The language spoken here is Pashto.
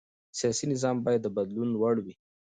سیاسي نظام باید د بدلون وړ وي